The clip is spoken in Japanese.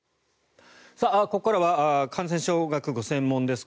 ここからは感染症学がご専門です